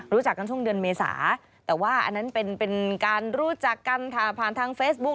รู้จักกันช่วงเดือนเมษาแต่ว่าอันนั้นเป็นการรู้จักกันผ่านทางเฟซบุ๊ค